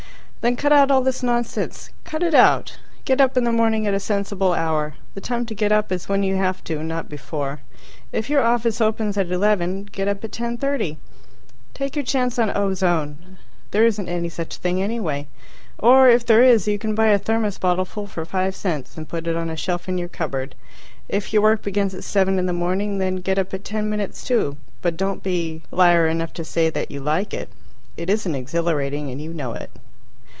Then cut out all this nonsense. Cut it out. Get up in the morning at a sensible hour. The time to get up is when you have to, not before. If your office opens at eleven, get up at ten thirty. Take your chance on ozone. There isn't any such thing anyway. Or, if there is, you can buy a Thermos bottle full for five cents, and put it on a shelf in your cupboard. If your work begins at seven in the morning, get up at ten minutes to, but don't be liar enough to say that you like it. It isn't exhilarating, and you know it.